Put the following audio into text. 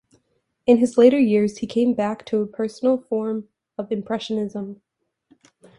In his later years, he came back to a personal form of impressionism.